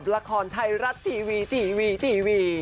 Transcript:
กับละครไทรรัตย์ทีวี